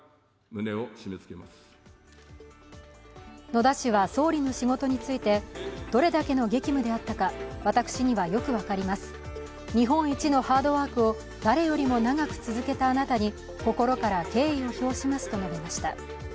野田氏は総理の仕事についてどれだけの激務であったか私にはよく分かります、日本一のハードワークを誰よりも長く続けたあなたに心から敬意を表しますと述べました。